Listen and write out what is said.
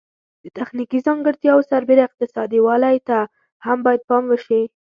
د تخنیکي ځانګړتیاوو سربیره اقتصادي والی ته هم باید پام وشي.